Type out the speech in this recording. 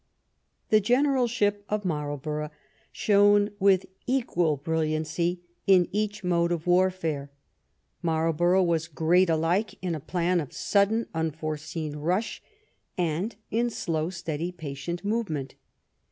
The generalship of Marlborough shone with equal brill iancy in each mode of warfare. Marlborough was great alike in a plan of sudden, unforeseen rush, and in slow, steady, patient movement.